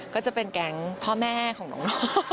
ก็จะเป็นแก๊งพ่อแม่ของน้อง